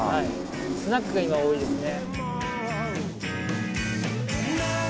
スナックが今は多いですね。